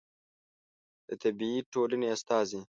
د طبي ټولنې استازی